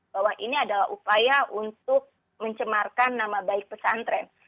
bahwa ini adalah upaya untuk mencemarkan nama baik pesantren